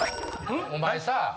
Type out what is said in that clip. お前さぁ。